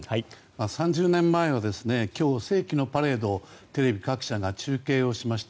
３０年前は今日世紀のパレードテレビ各社が中継しました。